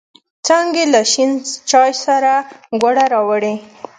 څانگې له شین چای سره گوړه راوړې.